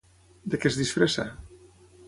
De què es disfressa?